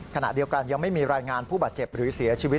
ขณะเดียวกันยังไม่มีรายงานผู้บาดเจ็บหรือเสียชีวิต